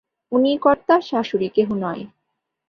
উনিই কর্তা, শাশুড়ি কেহ নয়!